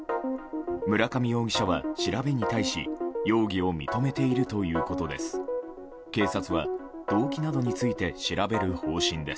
村上容疑者は調べに対し容疑を認めているということです。